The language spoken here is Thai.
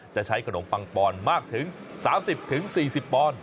จะใช้ขนมปังปอนมากถึง๓๐๔๐ปอนด์